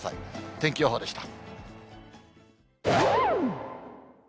天気予報でした。